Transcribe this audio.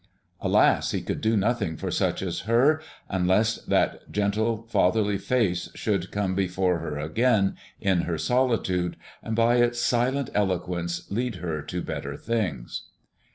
Alas! he could do nothing for such as her, unless that gentle, fatherly face should come before her again, in her solitude, and, by its silent eloquence, lead her to better things.